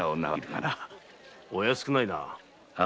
お安くないな。